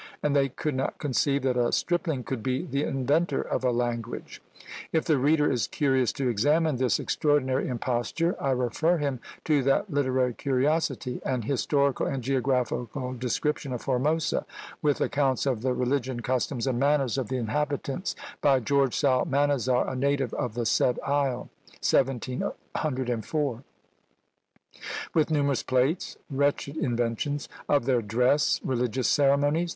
and they could not conceive that a stripling could be the inventor of a language. If the reader is curious to examine this extraordinary imposture, I refer him to that literary curiosity, "An Historical and Geographical Description of Formosa, with Accounts of the Religion, Customs and Manners of the Inhabitants, by George Psalmanazar, a Native of the said Isle," 1704; with numerous plates, wretched inventions! of their dress! religious ceremonies!